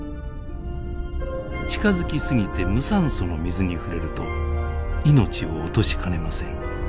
近づきすぎて無酸素の水に触れると命を落としかねません。